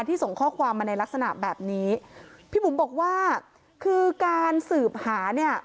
ส่งข้อความมาในลักษณะแบบนี้พี่บุ๋มบอกว่าคือการสืบหาเนี่ย